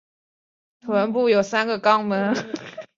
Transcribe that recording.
臀部有三个肛门。